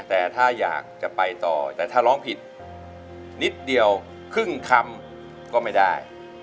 แต่ถ้าอยากจะไปต่อแต่ถ้าร้องผิดนิดเดียวครึ่งคำก็ไม่ได้